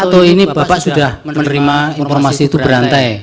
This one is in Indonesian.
satu ini bapak sudah menerima informasi itu berantai